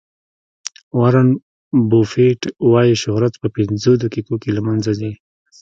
وارن بوفیټ وایي شهرت په پنځه دقیقو کې له منځه ځي.